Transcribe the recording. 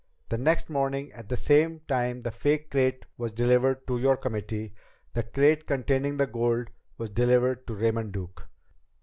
The next morning, at the same time the fake crate was delivered to your committee, the crate containing the gold was delivered to Raymond Duke.